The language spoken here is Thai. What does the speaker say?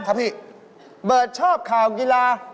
พี่เบิร์ตชอบข่าวกีฬา